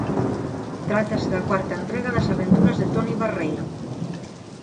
Trátase da cuarta entrega das aventuras de Toni Barreiro.